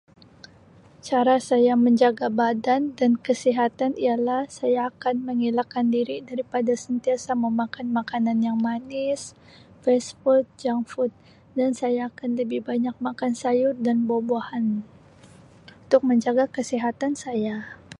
"Cara saya menjaga badan dan kesihatan ialah saya akan mengelakkan diri daripada sentiasa memakan makanan yang manis, ""fast food"", ""junk food"" dan saya akan lebih banyak makan sayur dan buah-buahan untuk menjaga kesihatan saya."